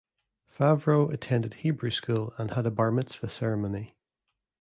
Favreau attended Hebrew school and had a Bar Mitzvah ceremony.